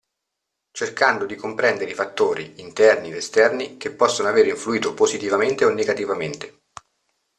Cercando di comprendere i fattori (interni ed esterni) che possono aver influito positivamente o negativamente.